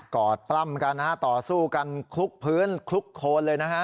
อดปล้ำกันนะฮะต่อสู้กันคลุกพื้นคลุกโคนเลยนะฮะ